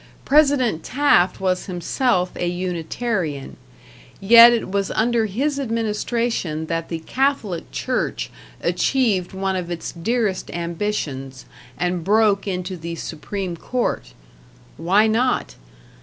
President Taft was himself a Unitarian; yet it was under his administration that the Catholic Church achieved one of its dearest ambitions, and broke into the Supreme Court. Why not?